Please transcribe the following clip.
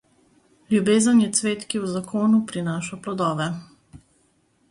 Ljubezen je cvet, ki v zakonu prinaša plodove.